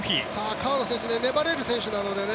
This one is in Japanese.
川野選手粘れる選手なのでね。